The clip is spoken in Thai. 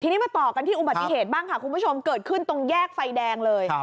ทีนี้มาต่อกันที่อุบัติเหตุบ้างค่ะคุณผู้ชมเกิดขึ้นตรงแยกไฟแดงเลย